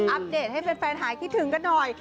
เดตให้แฟนหายคิดถึงกันหน่อย